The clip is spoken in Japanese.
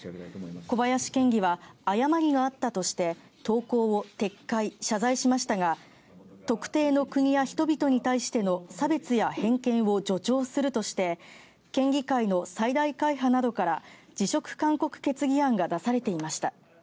小林県議は誤りがあったとして投稿を撤回・謝罪しましたが特定の国や人々に対しての差別や偏見を助長するとして県議会の最大会派などから辞職勧告決議案が出されていました。